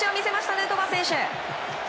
ヌートバー選手。